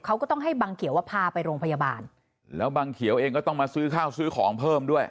เขาก็ต้องให้บังเขียวว่าพาไปโรงพยาบาลแล้วบังเขียวเองก็ต้องมาซื้อข้าวซื้อของเพิ่มด้วย